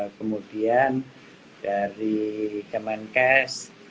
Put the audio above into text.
kemudian dari teman kas